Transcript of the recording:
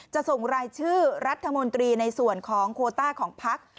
ส่งรายชื่อรัฐมนตรีในส่วนของโคต้าของพัก